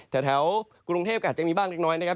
แถวกรุงเทพก็อาจจะมีบ้างเล็กน้อยนะครับ